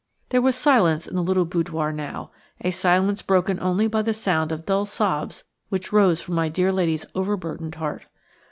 There was silence in the little boudoir now: a silence broken only by the sound of dull sobs which rose from my dear lady's overburdened heart.